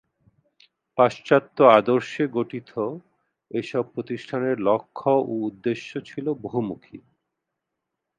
পাশ্চাত্য আদর্শে গঠিত এসব প্রতিষ্ঠানের লক্ষ্য ও উদ্দেশ্য ছিল বহুমুখী।